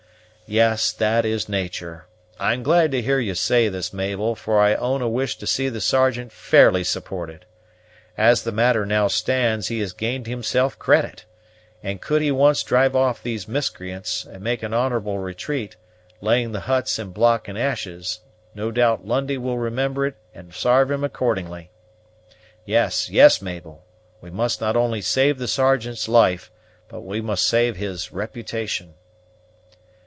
"Yes, that is natur'. I am glad to hear you say this, Mabel, for I own a wish to see the Sergeant fairly supported. As the matter now stands, he has gained himself credit; and, could he once drive off these miscreants, and make an honorable retreat, laying the huts and block in ashes, no doubt, Lundie would remember it and sarve him accordingly. Yes, yes, Mabel, we must not only save the Sergeant's life, but we must save his reputation."